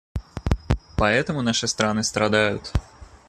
Поэтому наши страны страдают.